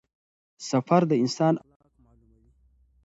سفر د انسان اخلاق معلوموي.